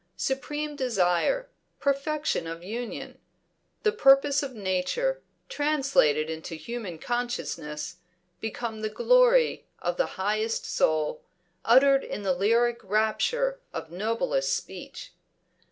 Supreme desire; perfection of union. The purpose of Nature translated into human consciousness, become the glory of the highest soul, uttered in the lyric rapture of noblest speech.